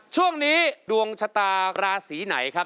ช่วงนี้ดวงชะตาราศีไหนครับ